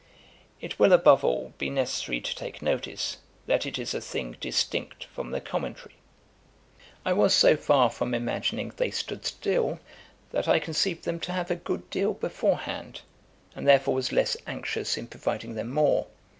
] 'It will, above all, be necessary to take notice, that it is a thing distinct from the Commentary. 'I was so far from imagining they stood still, that I conceived them to have a good deal before hand, and therefore was less anxious in providing them more.